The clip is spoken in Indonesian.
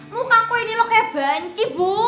muka aku ini loh kayak banci bu